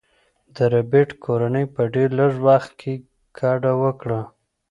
د ربیټ کورنۍ په ډیر لږ وخت کې کډه وکړه